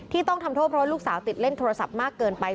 ต้องทำโทษเพราะว่าลูกสาวติดเล่นโทรศัพท์มากเกินไป